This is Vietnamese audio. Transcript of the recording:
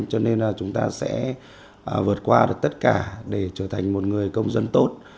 cho nên là chúng ta sẽ vượt qua được tất cả để trở thành một người công dân tốt